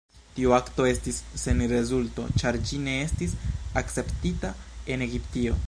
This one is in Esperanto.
Tiu akto estis sen rezulto, ĉar ĝi ne estis akceptita en Egiptio.